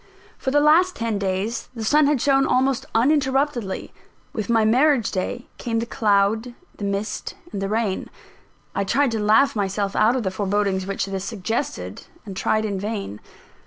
For the last ten days the sun had shone almost uninterruptedly with my marriage day came the cloud, the mist and the rain. I tried to laugh myself out of the forebodings which this suggested, and tried in vain.